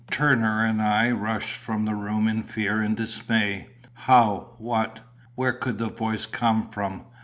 Turner and I rushed from the room in fear and dismay. "How? What? Where could the voice come from?"